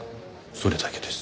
それだけです。